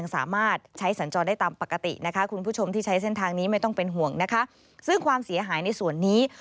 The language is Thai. ซึ่งความเสียหายในส่วนนี้